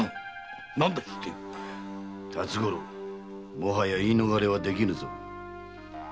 もはや言い逃れはできぬぞ。